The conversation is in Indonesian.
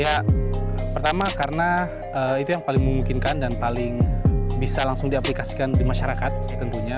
ya pertama karena itu yang paling memungkinkan dan paling bisa langsung diaplikasikan di masyarakat tentunya